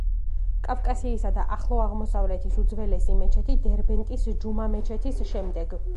კავკასიისა და ახლო აღმოსავლეთის უძველესი მეჩეთი, დერბენტის ჯუმა მეჩეთის შემდეგ.